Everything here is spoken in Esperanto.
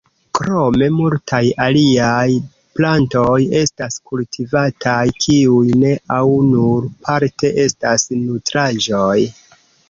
Krome multaj aliaj plantoj estas kultivataj, kiuj ne au nur parte estas nutraĵoj.